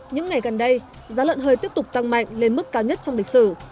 những ngày gần đây giá lợn hơi tiếp tục tăng mạnh lên mức cao nhất trong lịch sử